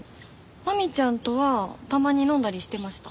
マミちゃんとはたまに飲んだりしてました。